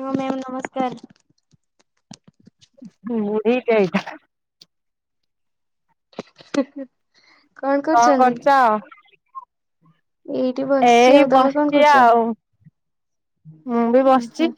ହଁ ମ୍ୟାମ୍ ନମସ୍କାର। ବୁଢ଼ିଟେ ହେଇଥା। ହେଁ। କଣ କରୁଛ? ଏଇଠି ବସିଛି ଏଇ ଆଉ ତମେ କଣ ବସିଛି କରୁଛ? ଆଉ ମୁଁ ବି ଓହୋ। ବସିଛି।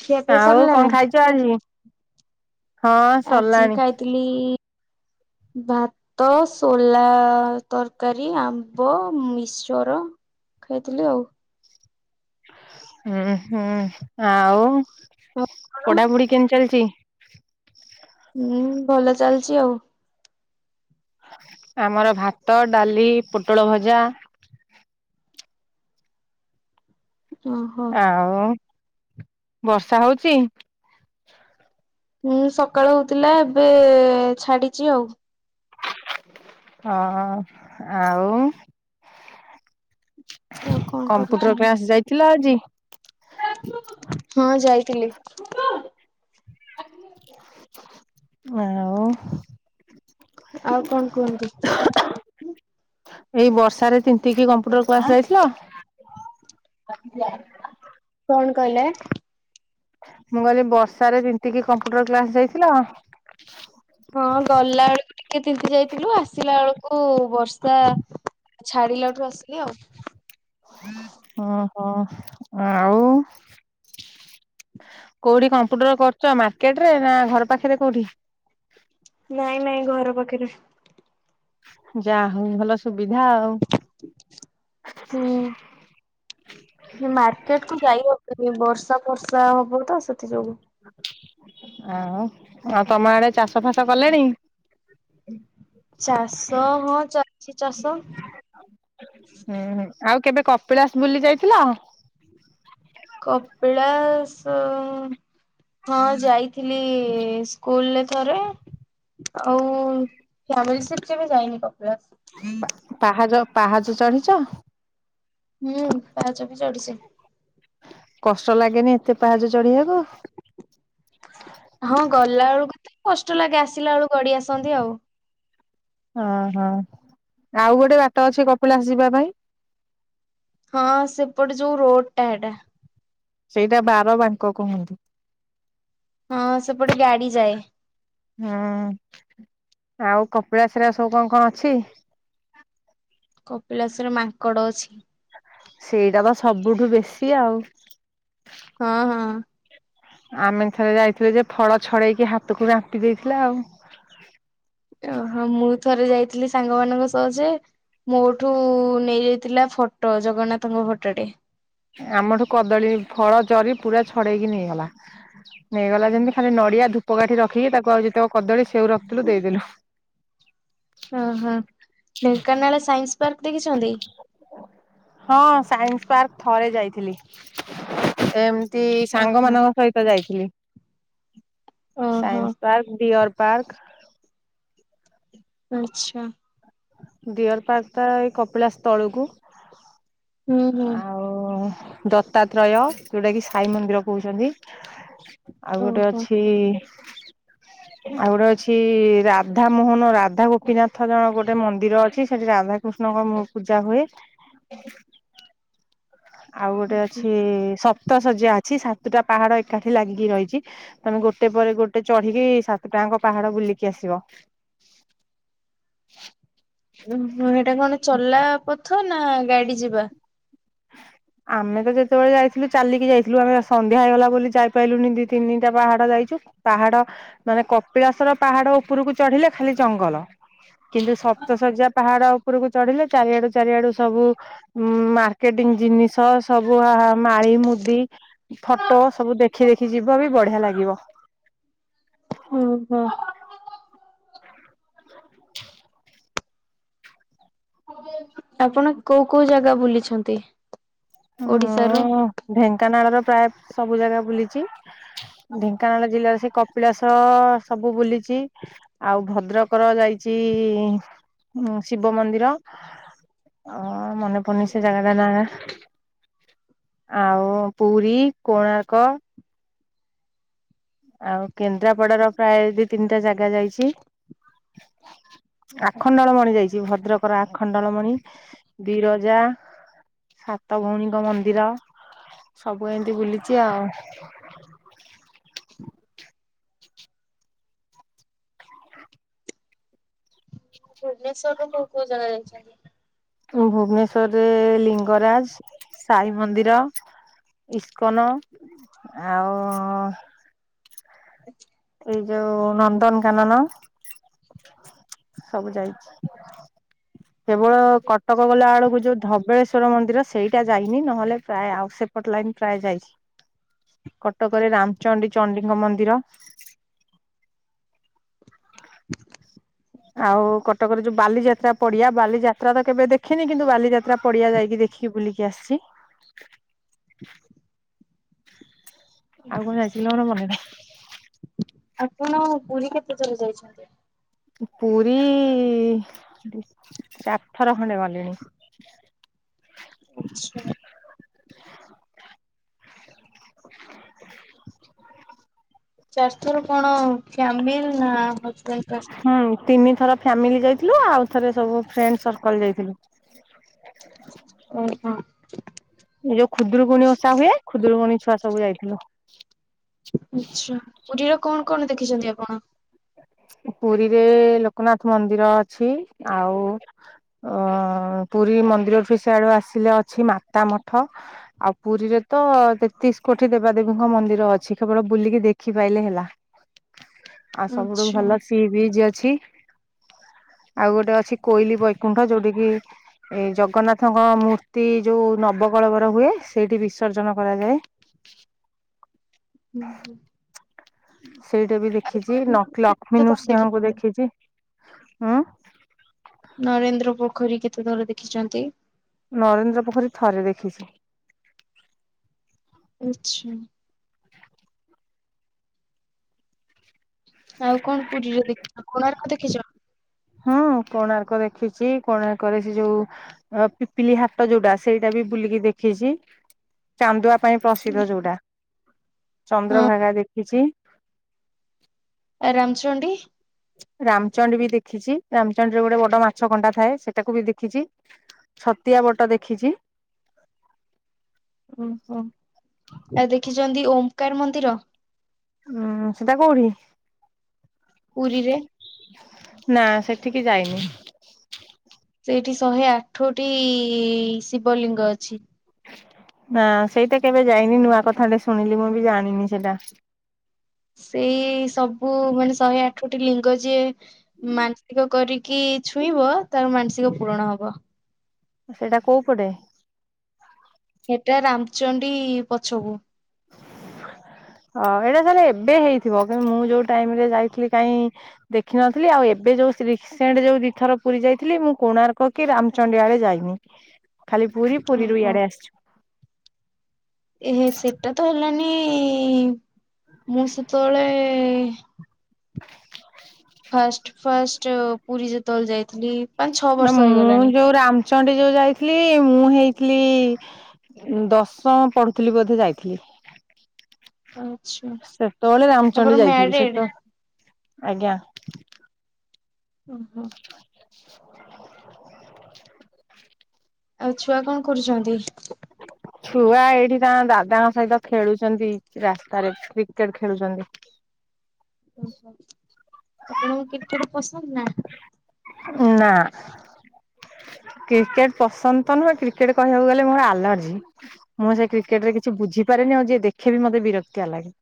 ଖିଆ ପିଆ ଆଉ ସରିଲାଣି? କଣ ଖାଇଛ ଆଜି? ହଁ ଆଜି ସରିଲାଣି ଖାଇଥିଲି ଭା ତ ସୋଲା ତରକାରୀ ଆମ୍ବ ମିସଚର ଯାଇଥିଲି ଆଉ। ହୁଁ ହୁଁ ଆଉ ଆପଣ ପଢାପୁଢି କେମିତି ଚାଲିଚି। ହୁଁ ଭଲ ଚାଲିଛି ଆଉ। ଆମର ଭାତ ଡାଲି ପୋଟଳ ଭଜା ଓହୋ। ଆଉ ବର୍ଷା ହଉଚି। ହୁଁ ସକାଳ ହଉଥିଲା ଏବେ ଛାଡିଛି ଆଉ। ହଁ ଆଉ ଆଉ କଣ କମ୍ପ୍ୟୁଟର କରୁଛନ୍ତି? କ୍ଲାସ ଯାଇଥିଲ ଆଜି। ହଁ ଯାଇଥିଲି। ଆଉ। ଆଉ କଣ କୁହନ୍ତୁ। ଏଇ ବର୍ଷାରେ ତିନ୍ତି କିି କମ୍ପ୍ୟୁଟର କ୍ଲାସ ଯାଇଥିଲ। କଣ କହିଲେ। ମୁଁ କହିଲି ବର୍ଷାରେ ତୀନ୍ତି କି କମ୍ପ୍ୟୁଟର କ୍ଲାସ ଯାଇଥିଲ। ହଁ ଗଲା ବେଳକୁ ଟିକେ ତିନ୍ତୀ ଯାଇଥିଲୁ ଆସିଲା ବେଳକୁ ବର୍ଷା ଛାଡିଲା ଠୁ ଆସିଲି ଆଉ। ହଁ ହୋ ଆଉ। କୋଉଠି କମ୍ପ୍ୟୁଟର କରୁଚ ମାର୍କେଟ ରେ ନା ଘର ପାଖରେ କୋଉଠି। ନାଇଁ ନାଇଁ ଘର ପାଖରେ। ଯାହା ହଉ ଭଲ ସୁବିଧା ଆଉ। ହୁଁ। ମାର୍କେଟ କୁ ଯାଇ ହବନି ବର୍ଷା ଫର୍ଷା ହବ ତ ସେଥି ଯୋଗୁ। ଆଉ ଆଉ ତମ ଆଡେ ଚାଷ ଫାସ କଲେଣି। ଚାଷ ହଁ ଚାଲିଛି ଚାଷ। ହୁଁ ହୁଁ ଆଉ କେବେ କପିଳାସ ବୁଲି ଯାଇଥିଲ। କପଳାସ ହଁ ଯାଇଥିଲି ସ୍କୁଲରେ ଥରେ। ଆଉ ଫ୍ୟାମିଲିି ସିପ କେବେ ଯାଇନି କପିଳାସ। ପା ପାହାଜ ପାହାଜ ଚଢିଚ। ହୁଁ ପାହାଚ ବି ଚଢଚି। କଷ୍ଟ ଲାଗେନି ଏତେ ପାହାଚ ଚଢିିବାକୁ। ହଁ ଗଲା ବେଳକୁ ତ କଷ୍ଟ ଲାଗେ ଆସିଲା ବେଳକୁ ଗଡି ଆସନ୍ତି ଆଉ। ଓହୋ ଆଉ ଗୋଟେ ବାଟ ଅଛି କପିଳାସ ଯିବା ପାଇଁ। ହଁ ସେପଟେ ଯୋଉ ରୋଡ ଟା ହେଟା। ସେଇଟା ବାର ବାଙ୍କ କୁହନ୍ତିୁ। ହଁ ସେପଟେ ଗାଡି ଯାଏ। ହୁଁ ଆଉ କପିଳାଶିରା ସବୁ କଣ କଣ ଅଛି। କପିଳାସ ରେ ମାଙ୍କଡ଼ ଅଛି। ସେଇଟା ବା ସବୁଠୁ ବେଶୀ ଆଉ। ହଁ ହଁ। ଆମେ ଥରେ ଯାଇଥିଲେୁ ଯେ ଫଳ ଛଡେଇକି ହାତକୁ ରାମ୍ପି ଦେଇଥିଲା ଆଉ। ଓହୋ ମୁଁ ଥରେ ଯାଇଥିଲି ସାଙ୍ଗ ମାନଙ୍କ ସହ ଯେ ମୋଠୁ ନେଇଯାଇଥିଲା ଫଟୋ ଜଗନ୍ନାଥଙ୍କ ଫଟୋ ଟେ। ଆମଠୁ କଦଳୀ ଫଳ ଜରି ପୁରା ଛଡେଇକି ନେଇଗଲା। ନେଇଗଲା ଯେମିତି ଖାଲି ନଡିଆ ଧୂପକାାଠି ରଖିକି ତାକୁ ଆଉ ଯେତେକ କଦଳୀ ସେଉ ରଖିଥିଲୁ ଦେଇଦଲୁ। ଓହୋ ଢେଙ୍କାନାଳ ସାଇନ୍ସ ପାର୍କ ଦେଖିଛନ୍ତି। ହଁ ସାଇନ୍ସ ପାର୍କ ଥରେ ଯାଇଥିଲି ଏମ୍ ମିତି ସାଙ୍ଗ ଓହୋ ମାନଙ୍କ ସହିତ ଯାଇଥିଲି ଓହୋ ସାଇନ୍ସ ପାର୍କ ଡିୟର ପାର୍କ। ଆଛା। ଡିଅର୍ ପାର୍କ ଟା ଏଇ କପିଳାସ ସ୍ଥଳକୁ। ହୁଁ ହୁଁ। ଆଉ ଦତ୍ତାତ୍ରୟ ଯୋଉଟା କି ସାଇ ମନ୍ଦିର କହୁଛନ୍ତି। ଆଉ ଗୋଟେ ଓହୋ। ଅଛି ଆଉ ଗୋଟେ ଅଛି ରାଧା ମୋହନ ରାଧା ଗୋପୀନାଥ ଜଣ ଗୋଟେ ମନ୍ଦିର ଅଛି ସେଠି ରାଧା କୃଷ୍ଣଙ୍କ ମ ପୂଜା ହୁଏ। ଆଉ ଗୋଟେ ଅଛି ସପ୍ତ ଶଯ୍ୟା ଅଛି ସାତଟା ପାହାଡ ଏକାଠି ଲାଗିକି ରହିଛି ତମେ ଗୋଟେ ପରେ ଗୋଟେ ଚଢିକି ସାତ ଟାଙ୍କ ପାହାଡ ବୁଲିକି ଆସିବ। ଓ ଏଇଟା କଣ ଚଲା ପଥ ନା ଗାଡି ଯିବା। ଆମେ ତ ଯେତେବେଳେ ଯାଇଥିଲୁ ଚାଲିକି ଯାଇଥିଲୁ ଆମେ ସନ୍ଧ୍ୟା ହେଇଗଲା ବୋଲି ଯାଇପାରିଲୁନି ଦି ତିନିଟା ପାହାଡ଼ ଯାଇଛୁ। ପାହାଡ ମାନେ କପିଳାସର ପାହାଡ ଉପରକୁ ଚଢିଲେ ଖାଲି ଜଙ୍ଗଲ। କିନ୍ତୁ ସପ୍ତ ଶଯ୍ୟା ପାହାଡ ରକୁ ଚଢିଲେ ଚାରିଆଡୁ ଚାରିଆଡୁ ସବୁ ମାର୍କେଟିଙ୍କି ଜିନି ସବୁ ମାଳି ମୁଦି ଫଟୋ ସବୁ ଦେଖି ଦେଖି ଯିବ ବି ବଢିଆ ଲାଗିବ। ହୁଁ ହୁଁ। ଆପଣ କୋଉ କୋଉ ଜାଗା ବୁଲିଛନ୍ତି ଓଡିଶାରୁ? ହଁ ଢେଙ୍କାନାଳର ପ୍ରାୟ ସବୁ ଜାଗା ବୁଲିଛି। ଢେଙ୍କାନାଳ ଜିଲ୍ଲାର ସେ କପିଳାସ ସବୁ ବୁଲିଛି। ଆଉ ଭଦ୍ରକର ଯାଇଛି ଶିବ ମନ୍ଦିର। ଅ ମନେ ପାଡୁନୀ ସେ ଜାଗାଟା ନା ଆଉ ପୁରୀ କୋଣାର୍କ ଆଉ କେନ୍ଦ୍ରାପଡାର ପ୍ରାୟ ଦିଇ ତିନିଟା ଜାଗା ଯାଇଛି। ଆଖଣ୍ଡଳ ମଣି ଯାଇଛି ଭଦ୍ରକର ଆଖଣ୍ଡଳ ମଣି ବିରଜା ସାତ ଭଉଣୀଙ୍କ ମନ୍ଦିର ସବୁ ଏମିତି ବୁଲିଛି ଆଉ। ହ ଭୁବନେଶ୍ୱର କଉ କଉ ଜାଗା ଜାଇଛନ୍ତି? ଭୁବନେଶ୍୍ୱରରେ ଲିଙ୍ଗରାଜ ସାଇ ମନ୍ଦିର ଇସ୍କନ ଆଉ ଆା ଏଇ ଯୋଉ ନନ୍ଦନକାନନ ସବୁ ଯାଇଛି। କେବଳ କଟକ ଗଲା ବେଳକୁ ଯୋଉ ଧବେ ଈଶ୍ୱର ମନ୍ଦିର ସେଇଟା ଯାଇନି ନହେଲେ ପ୍ରାୟ ଆଉ ସେପଟ ଲାଇି ପ୍ରାୟ ଯାଇଛି। କଟକରେ ରାମଚଣ୍ଡୀ ଚଣ୍ଡୀଙ୍କ ମନ୍ଦିର ଆଉ କଟକରେ ଯୋଉ ବାଲିଯାତ୍ରା ପଡିଆ ବାଲିଯାତ୍ରା ତ କେବେ ଦେଖିନି, କିନ୍ତୁ ବାଲିଯାତ୍ରା ପଡିଆ ଯାଇକି ଦେ। ଯାଇକି ବୁଲିିକି ଆସିଛି। ଆଉ କୁଆଡେ ଯାଇଥିଲ ମୋର ମନେ ନାହିଁ। ଆପଣ ପୁରୀ କେତେ ଥର ଯାଇଛନ୍ତି? ପୁରୀ ଚାରି ଥର ଖଣ୍ଡେ ଗଲିଣି। ଆଛା। ଚାରିଥର କଣ ଫ୍ୟାମିଲ ନା ହଜବେଣ୍ଟ ଙ୍କ ସହିତ। ହୁଁ ତିନି ଥର ଫ୍ୟାମିଲି ଯାଇଥିଲୁ ଆଉ ଥରେ ସବୁ ଫ୍ରେଣ୍ଡ ସର୍କଲ ଯାଇଥିଲୁ। ଓହୋ। ଏ ଯୋଉ ଖୁଦରୁକୁୁଣି ଓଷା ହୁଏ ଖୁଦୁରୁକୁୁଣି ଛୁଆ ସବୁ ଯାଇଥିଲୁ। ଆଚ୍ଛା ପୁରୀର କଣ କଣ ଦେଖିଛନ୍ତି ଆପଣ? ପୁରୀରେ ଲୋକନାଥ ମନ୍ଦିର ଅଛି ଆଉ ଅ ପୁରୀ ମନ୍ଦିରଠୁ ସେଆଡୁ ଆସିଲେ ଅଛି ମାତା ମଠ ଆଉ ପୁରୀରେ ତ ତେତିଶ କୋଟି ଦେବାଦେବୀଙ୍କ ମନ୍ଦିର ଅଛି କେବଳ ବୁଲିକି ଦେଖିପାଇଲେ ହେଲା। ଆଉ ସବୁଠୁ ଆଚ୍ଛା ଭଲ ହୁଁ ସି ବିଜ ଅଛି। ଆଉ ଗୋଟେ ଅଛି କୋଇଲି ବୈକୁଣ୍ଠ ଯୋଉଠ କି ଏ ଜଗନ୍ନାଥଙ୍କ ମୂର୍ତ୍ତି ଯୋଉ ନବକଳବର ହୁଏ ସେଇଠି ବିସର୍ଜନ କରାଯାଏ। ହୁଁ ହୁଁ। ସେଇଟା ବି ଦେଖିଛି ଲ କ ଲକ୍ଷ୍ମୀ କେତେଥର ନୃସିଂହଙ୍କୁ ଦେଖିଛନ୍ତି ଦେଖିଛି ଉୁଁ। ନରେନ୍ଦ୍ର ପୋଖରୀ କେତେ ଥର ଦେଖିଛନ୍ତି। ନରେନ୍ଦ୍ର ପୋଖରୀ ଥରେ ଦେଖିଛି। ଆଛା। ଆଉ କଣ ପୁରୀରେ ଦେଖିଛ କୋଣାର୍କ ଦେଖିଛ। ହଁ କୋଣାର୍କ ଦେଖିଛି କୋଣାର୍କରେ ସେ ଯୋଉ ଅ ପିପିଲି ହାଟ ଯୋଉଟା ସେଇଟା ବି ବୁଲିକି ଦେଖିଛି ଚାନ୍ଦୁଆ ପାଇଁ ପ୍ରସିଦ୍ଧ ଯୋଉଟା ହଁ ଚନ୍ଦ୍ରଭାଗା ଦେଖିଛି। ରାମଚଣ୍ଡୀ ରାମଚଣ୍ଡ ବି ଦେଖିଛି ରାମଚଣ୍ଡି ରେ ଗୋଟେ ବଡ ମାଛକଣ୍ଟା ଥାଏ ସେଟାକୁ ବି ଦେଖିଛି। ଛତିଆ ବଟ ଦେଖିଛି। ଓହୋ ଆଉ ଦେଖିଛନ୍ତି ଓମ୍କାର ମନ୍ଦିର। ହୁଁ ସେଟା କୋଉଠି। ପୁରୀରେ। ନା ସେଠିକି ଯାଇନି। ସେଇଠି ଶହେ ଆଠଟି ଶିବଲିଙ୍ଗ ଅଛି। ନା ସେଇଟା କେବେ ଯାଇନି ନୂଆ କଥାଟେ ଶୁଣିଲି ମୁଁ ବି ଜାଣିନି ସେଇଟା। ସେଇ ସବୁ ମାନେ ଶହେ ଆଠଟି ଲିଙ୍ଗ ଯିଏ ମାନସିକ କରିକି କି ଛୁଇଁବ ତାର ମାନସିକ ପୂରଣ ହବ। ସେଟା କୋଉ ପଟେ। ହେଟା ରାମଚଣ୍ଡୀ ପଛକୁ। ହ ଏଇଟା ତାହାଲେ ଏବେ ହେଇଥିବ କାରଣ ମୁଁ ଯୋଉ ଟାଇମ ରେ ଯାଇଥିଲି କାଇଁ ଦେଖିନଥିଲି ଆଉ ଏବେ ଯୋଉ ସି ରିସେଣ୍ଟ ଯୋଉ ଦିଥର ପୁରୀ ଯାଇଥିଲି ମୁଁ କୋଣାର୍କ କି ରାମଚଣ୍ଡୀ ଆଡେ ଯାଇନି। ଖାଲି ପୁରୀ ପୁରୀରୁ ଓହୋ। ଇଆଡେ ଆସିଛୁ। ଏହେ ସେଟା ତ ହେଲାନି ମୁଁ ସେତେବେଳେ [inaudible] ଫାଷ୍ଟ ଫାଷ୍ଟ ପୁରୀ ଯେତେବେଳେ ଯାଇଥିଲି। ପାଞ୍ଚ ଛଅ ନା ବର୍ଷ ମୁଁ ହେଇଗଲାଣି। ଯୋଉ ରାମଚଣ୍ଡୀ ଯୋଉ ଯାଇଥିଲି ମୁଁ ହେଇଥିଲି ଦଶମ ପଢୁଥିଲି ବୋଧେ ଯାଇଥିଲି। ଆଚ୍ଛା ସେତେବେଳେ ଆପଣ ରାମଚଣ୍ଡୀ ଯାଇଥିଲି ମ୍ୟାରେଡ୍? ସେତ ଆଜ୍ଞା। ଓହୋ। [inaudible] ଆଉ ଛୁଆ କଣ କରୁଛନ୍ତି। ଛୁଆ ଏଇଠି ତାଙ୍କ ଦାଦାଙ୍କ ସହିତ ଖେଳୁଛନ୍ତି। ରାସ୍ତାରେ କ୍ରିକେଟ ଖେଳୁଛନ୍ତି। ଓହୋ ଆପଣଙ୍କୁ କ୍ରିକେଟ ପସନ୍ଦ ନା। ନା। କ୍ରିକେଟ ପସନ୍ଦ ତ ନୁହେଁ କ୍ରିକେଟ କହିବାକୁ ଗଲେ ମୋର ଆଲର୍ଜି। ମୁଁ ସେ କ୍ରେଟରେ କିଛି ବୁଝିପାରେନି ଆଉ ଯିଏ ଦେଖେ ବି ମତେ ବିରକ୍ତି ଆ ଲାଗେ।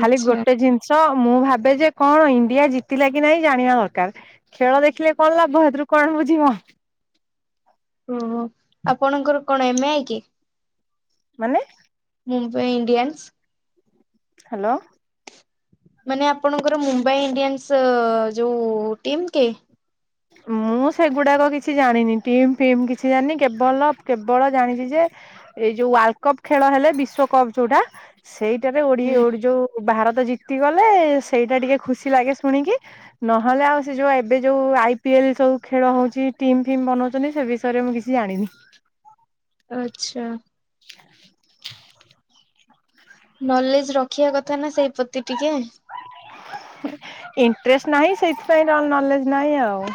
ଖାଲି ଗୋଟେ ଜିନିଷ ମୁଁ ଭାବେ ଯେ କଣ ଇଣ୍ଡିଆ ଜିତିଲା କି ନାଇଁ ଜାଣିବା ଦର୍ କାର ଖେଳ ଦେଖିଲେ କଣ ଲାଭ ସେଥିରୁ କଣ ବୁଝିବ। ଓହୋ ଆପଣଙ୍କର କଣ ଏମ ଆଇ କି। ମାନେ ମୁମ୍ବାଇ ଇଣ୍ଡିୟନ୍ସ। ହ୍ୟାଲୋ। ମାନେ ଆପଣଙ୍କର ମୁମ୍ବାଇ ଇଣ୍ଡିଆନ୍ସ ଯୋଉ ଟିମ୍ କି। ମୁଁ ସେଗୁଡାକ କିଛି ଜାଣିନି ଟିମ୍ ଫିମ୍ କିଛି ଜାଣିନି କେବଳ କେବଳ ଜାଣିଛି ଯେ ଏଇ ଯୋଉ ୱାର୍ଲଡ କପ୍ ଖେଳ ହେଲେ ବିଶ୍ଵ କପ୍ ଯୋଉଟା ସେଇଟାରେ ଓଡି ହୁଁ। ଯୋଉ ଭାରତ ଜିତିଗଲେ ସେଇଟା ଟିକେ ଖୁସି ଲାଗେ ଶୁଣିକି, ନହେଲେ ଆଉ ସେ ଯୋଉ ଏବେ ଯୋଉ ଆ ପିଏଲ ସବୁ ଖେଳ ହଉଛି, ଟିମ୍ ଫିମ୍ ବନଉଛନ୍ତି ସେ ବିଷୟରେ ମୁଁ କିଛି ଜାଣିନି। ଆଛା। [inaudible] ନଲେଜ ରଖିବା କଥା ନା ସେଇ ପ୍ରତି ଟିକେ। ଇଣ୍ଟରେଷ୍ଟ ନାହିଁ ସେଇଥିପାଇଁ ନଲେଜ ନାହିଁ ଆଉ।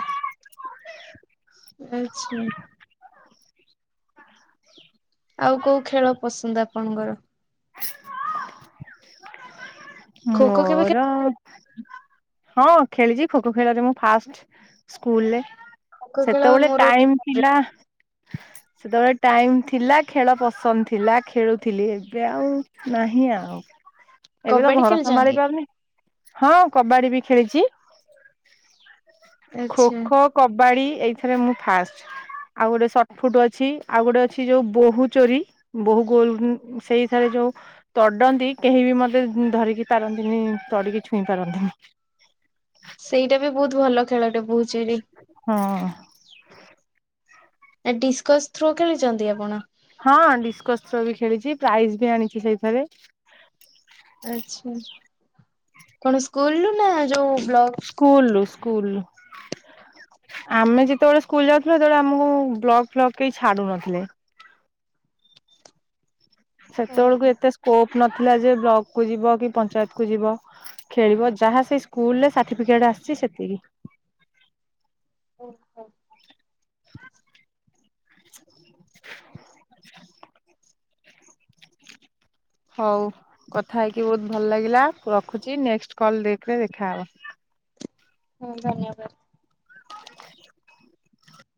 ଆଚ୍ଛା। ଆଉ କୋଉ ଖେଳ ପସନ୍ଦ ଆପଣଙ୍କର? ଖୋ ଖୋ କେବେ ଖେଳ ମୋର ହଁ ଖେଳିଛି ଖୋ ଖୋ ଖେଳ ରେ ମୁଁ ଫାଷ୍ଟ ସ୍କୁଲରେ। ଖୋ ଖୋ ଖେଳ ସେତେବେଳେ ମୋର ହଉଛି ଟାଇମ ଫେବରାଇଟ। ଥିଲା ସେତେବେଳେ ଟାଇମ ଥିଲା, ଖେଳ ପସନ୍ଦ ଥିଲା ଖେଳୁଥିଲି ଏବେ ଆଉ ନାହିଁ ଆଉ, ଏବେ ତ କବାଡି ଘର ସମ୍ଭାଳି ଖେଳିଛନ୍ତି? ପାରୁନି। ହଁ କବାଡି ବି ଖେଳିଛି, ଖୋ ଆଚ୍ଛା ଖୋ କବାଡି ଏଇଥରେ ମୁଁ ଫାଷ୍ଟ। ଆଉ ଗୋଟେ ସଟ ଫୁଟ ଅଛି, ଆଉ ଗୋଟେ ଅଛି ଯୋଉ ବୋହୂ ଚୋରି ବୋହୁ ଗୋଲ ସେଇଥିରେ ଯୋଉ ତଡନ୍ତି କେହି ବି ମତେ ଧରିକି ପାରନ୍ତିନି ତଡିକି ଛୁଇଁ ପାରନ୍ତିନି। ସେଇଟା ବି ବହୁତ ଭଲ ଖେଳଟେ ବୋହୁଚୋରି। ହଁ। ଆ ଡିସ୍କସ ଥରୱ ଖେଳି ଛନ୍ତି ଆପଣ? ହଁ ଡିସ୍କସ ଥ୍ରୋ ବି ଖେଳିଛି, ପ୍ରାଇଜ ବି ଆଣିଛି ସେଇଥିରେ। ଆଛା କଣ ସ୍କୁଲୁ ନା ଯୋଉ ବ୍ଲ ସ୍କୁଲ, ସ୍କୁଲ। ଆମେ ଯେତେବେଳେ ସ୍କୁଲ ଯାଉଥିଲୁ ସେତେବେଳେ ଆମକୁ ବ୍ଲକ ଫ୍ଲକ କେହି ଛାଡୁନଥିଲେ। ସେତେବେଳକୁ ଓହୋ ଏତେ ସ୍କୋପ ନଥିଲା ଯେ ବ୍ଲକ କୁ ଯିବ କି ପଞ୍ଚାୟତ କୁ ଯିବ। ଖେଳିବ ଯାହା ସେଇ ସ୍କୁଲ ରେ ସାର୍ଟିଫିକେଟ ଆସିଛି ସେତିକି। ଓ ହୋ। [inaudible] ହଉ କଥା ହେଇକି ବହୁତ ଭଲ ଲାଗିଲା ରଖୁଛି ନେଷ୍ଟ କଲ ଡିପ ରେ ଦେଖାହେବ। ହୁଁ ଧନ୍ୟବାଦ। [unintelligible]